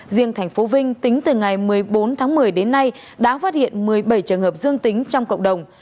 riêng tp vinh tính từ ngày một mươi bốn tháng một mươi đến nay đã phát hiện một mươi bảy trường hợp dương tính trong cộng đồng